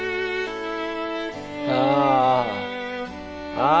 ああ。